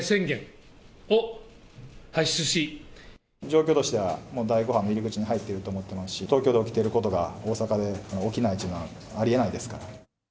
状況としては、もう第５波の入り口に入っていると思ってますし、東京で起きてることが大阪で起きないというのはありえないですから。